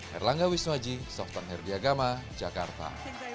herlangga wisnuaji softan herdiagama jakarta